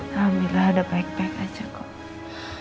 alhamdulillah ada baik baik aja kok